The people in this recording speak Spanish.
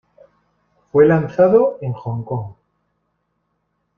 Fue lanzado en Hong Kong.